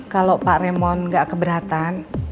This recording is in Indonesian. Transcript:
kalau pak remond nggak keberatan